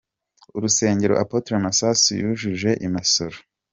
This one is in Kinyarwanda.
Urusengero Apotre Masasu yujuje i Masoro.